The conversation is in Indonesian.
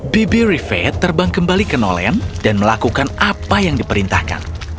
bibi rifat terbang kembali ke nolen dan melakukan apa yang diperintahkan